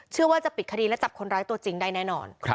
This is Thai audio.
ว่าจะปิดคดีและจับคนร้ายตัวจริงได้แน่นอน